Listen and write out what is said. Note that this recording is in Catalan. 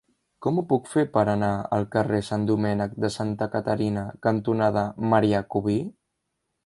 Com ho puc fer per anar al carrer Sant Domènec de Santa Caterina cantonada Marià Cubí?